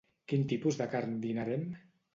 Quin tipus de carn dinarem?